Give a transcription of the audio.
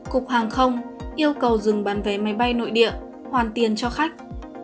cục hàng không yêu cầu dừng bán vé máy bay nội địa hoàn tiền cho khách